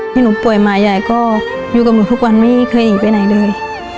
ที่หนูป่วยมายายก็อยู่กับหนูทุกวันไม่เคยหนีไปไหนเลย